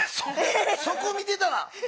そこ見てた？